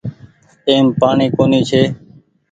ايم پآڻيٚ ڪونيٚ ڇي۔